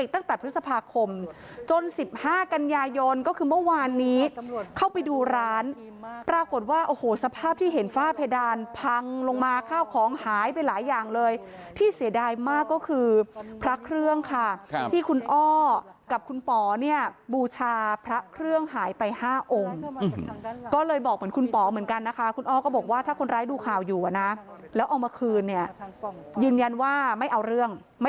ตั้งแต่พฤษภาคมจน๑๕กันยายนก็คือเมื่อวานนี้เข้าไปดูร้านปรากฏว่าโอ้โหสภาพที่เห็นฝ้าเพดานพังลงมาข้าวของหายไปหลายอย่างเลยที่เสียดายมากก็คือพระเครื่องค่ะที่คุณอ้อกับคุณป๋อเนี่ยบูชาพระเครื่องหายไป๕องค์ก็เลยบอกเหมือนคุณป๋อเหมือนกันนะคะคุณอ้อก็บอกว่าถ้าคนร้ายดูข่าวอยู่อ่ะนะแล้วเอามาคืนเนี่ยยืนยันว่าไม่เอาเรื่อง